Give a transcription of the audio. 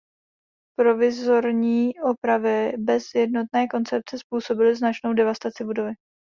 Provizorní opravy bez jednotné koncepce způsobily značnou devastaci budovy.